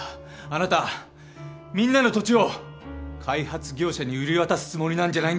あなたみんなの土地を開発業者に売り渡すつもりなんじゃないんですか！？